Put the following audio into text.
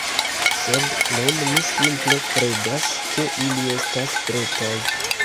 Sed nun mi simple kredas, ke ili estas pretaj